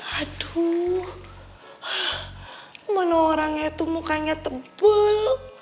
aduh menu orangnya itu mukanya tebal